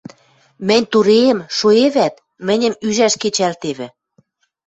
Мӹнь туреэм шоэвӓт, мӹньӹм ӱжӓш кечӓлтевӹ.